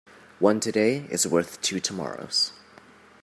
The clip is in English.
One today is worth two tomorrows.